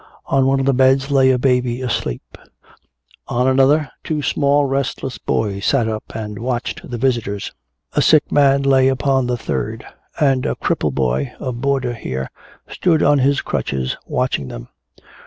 On one of the beds lay a baby asleep, on another two small restless boys sat up and watched the visitors. A sick man lay upon the third. And a cripple boy, a boarder here, stood on his crutches watching them.